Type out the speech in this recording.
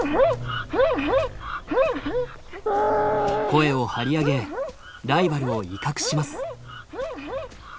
声を張り上げライバルを威嚇します。